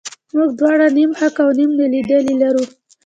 موږ دواړه نیم حق او نیم نالیدلي لرو.